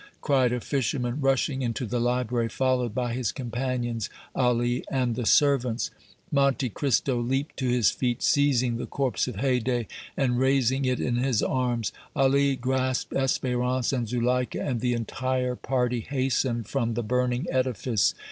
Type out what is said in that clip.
cried a fisherman, rushing into the library, followed by his companions, Ali and the servants. Monte Cristo leaped to his feet, seizing the corpse of Haydée and raising it in his arms. Ali grasped Espérance and Zuleika, and the entire party hastened from the burning edifice.